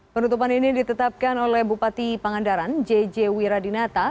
penutupan ini ditetapkan oleh bupati pangandaran jj wiradinata